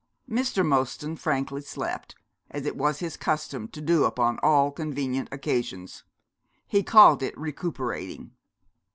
Mr. Mostyn frankly slept, as it was his custom to do upon all convenient occasions. He called it recuperating.